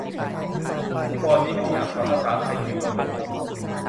คีย์บอร์ดนี้ไม่มีอักษรภาษาไทยพิมพ์ลงบนปุ่ม